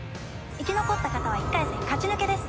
生き残った方は１回戦勝ち抜けです。